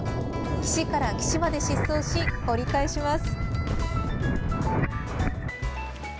岸から岸まで疾走し折り返します。